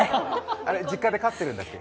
実家で飼ってるんだっけ。